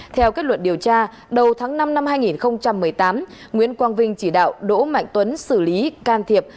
theo kết luận điều tra đầu tháng năm năm hai nghìn một mươi tám nguyễn quang vinh chỉ đạo đỗ mạnh tuấn xử lý can thiệp